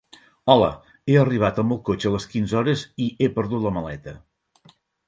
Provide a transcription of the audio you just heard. Hola, he arribat amb el cotxe de les quinze hores i he perdut la maleta.